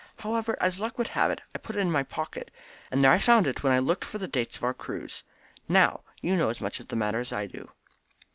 However, as luck would have it, I put it in my pocket, and there I found it when I looked for the dates of our cruise. Now you know as much of the matter as I do."